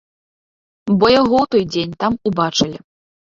Бо яго ў той дзень там убачылі.